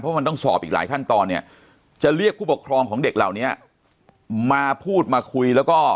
เพราะมันต้องสอบอีกหลายขั้นตอนเนี่ยจะเรียกผู้ปกครองของเด็กเหล่านี้มาพูดมาคุยแล้วก็